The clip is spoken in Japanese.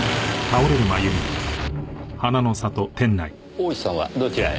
大石さんはどちらへ？